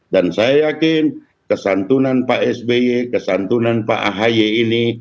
dan saya yakin kesantunan pak sby kesantunan pak ahy ini